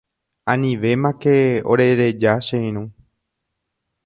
Anivémake orereja che irũ.